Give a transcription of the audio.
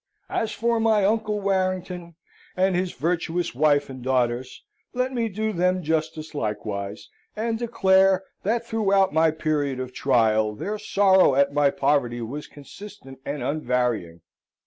As for my Uncle Warrington, and his virtuous wife and daughters, let me do them justice likewise, and declare that throughout my period of trial, their sorrow at my poverty was consistent and unvarying.